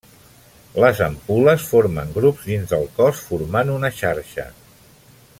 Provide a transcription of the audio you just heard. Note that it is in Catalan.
Les ampul·les formen grups dins del cos formant una xarxa.